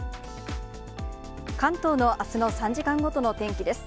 関東のあすの３時間ごとの天気です。